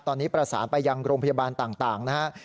ตอนนี้ประสานไปยังโรงพยาบาลต่างนะครับ